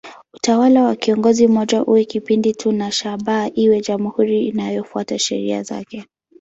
Utawala wa kiongozi mmoja uwe kipindi tu na shabaha iwe jamhuri inayofuata sheria zake.